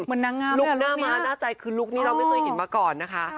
เหมือนนางงามเนี่ยลูกหน้ามาน่าใจคือลูกนี้เราไม่เคยเห็นมาก่อนนะคะ